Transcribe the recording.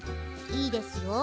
いいですよ。